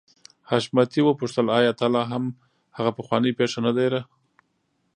حشمتي وپوښتل آيا تا لا هم هغه پخوانۍ پيښه نه ده هېره.